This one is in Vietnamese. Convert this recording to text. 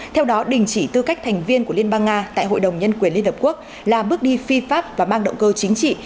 theo đó đình chỉ tư cách thành viên của liên bang nga tại hội đồng nhân quyền liên hợp quốc là bước đi phi pháp và mang động cơ chính trị